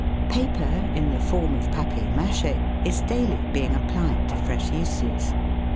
Paper, in the form of papier m&che, is daily being applied to fresh uses.